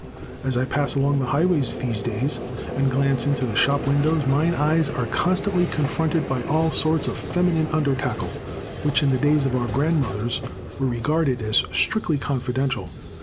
As I pass along the highways these days, and glance into the shop windows, mine eyes are constantly confronted by all sorts of feminine under tackle, which in the days of our grandmothers were regarded as strictly confidential.